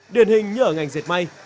điển hình như ở ngành diệt may